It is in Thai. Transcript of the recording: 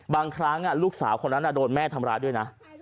บางครั้งลูกสาวคนนั้นโดนแม่ทำร้ายด้วยนะ